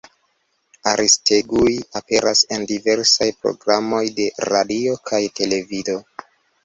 Aristegui aperas en diversaj programoj de radio kaj televido.